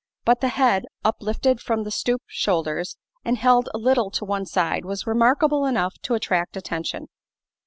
But the head, uplifted from the stooped shoulders and held a little to one side, was remarkable enough to attract attention.